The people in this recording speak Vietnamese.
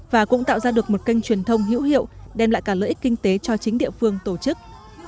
và cũng tạo ra được một kênh truyền thông hữu hiệu đem lại cả lợi ích kinh tế cho chính địa phương tổ chức